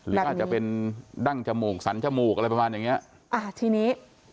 หรืออาจจะเป็นดั้งจมูกสันจมูกอะไรประมาณอย่างเนี้ยอ่าทีนี้